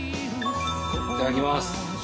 いただきます。